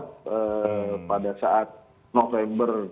itu sudah kuat pada saat november